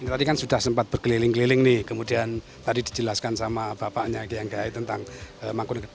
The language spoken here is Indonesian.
tadi kan sudah sempat berkeliling keliling nih kemudian tadi dijelaskan sama bapaknya gngai tentang mangkunegara